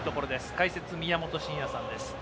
解説、宮本慎也さんです。